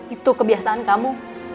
itu kebiasaan kamu